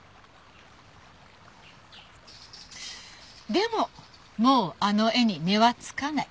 でももうあの絵に値はつかない。